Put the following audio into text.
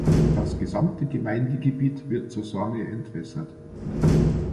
Das gesamte Gemeindegebiet wird zur Sorne entwässert.